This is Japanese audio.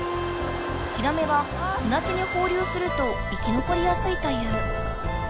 ヒラメはすな地に放流すると生きのこりやすいという。